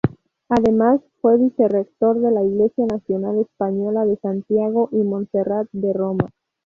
Además fue vicerrector de la Iglesia Nacional Española de Santiago y Montserrat de Roma.